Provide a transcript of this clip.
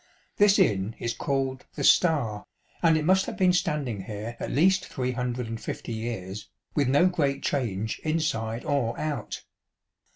This inn is" called the " Star," and it must have been standing here at least three hundred and fifty years, with no great change inside or out.